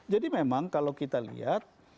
jadi memang kalau kita lihat